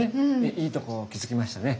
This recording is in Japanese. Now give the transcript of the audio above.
いいとこ気付きましたね。